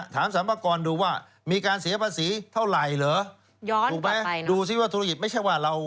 สรรพากรดูว่ามีการเสียภาษีเท่าไหร่เหรอย้อนถูกไหมดูซิว่าธุรกิจไม่ใช่ว่าเรา